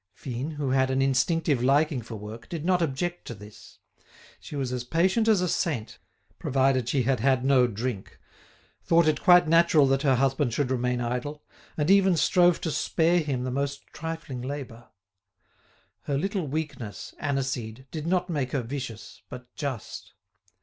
Fine, who had an instinctive liking for work, did not object to this. She was as patient as a saint, provided she had had no drink, thought it quite natural that her husband should remain idle, and even strove to spare him the most trifling labour. Her little weakness, aniseed, did not make her vicious, but just.